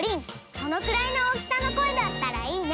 そのくらいの大きさの声だったらいいね。